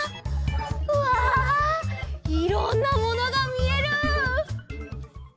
うわいろんなものがみえる！